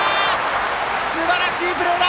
すばらしいプレーだ！